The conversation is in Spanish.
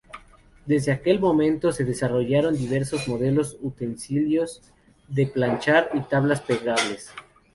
Desde aquel momento, se desarrollaron diversos modelos utensilios de planchar y tablas plegables.